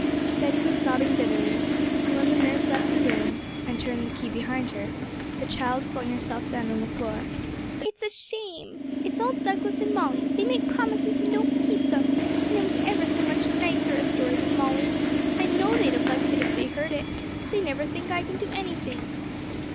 Betty was sobbing bitterly, and when nurse left the room and turned the key behind her, the child flung herself down on the floor. 'It's a shame! It's all Douglas and Molly: they make promises and don't keep them; and it was ever so much nicer a story than Molly's. I know they'd have liked it if they'd heard it; they never think I can do anything!'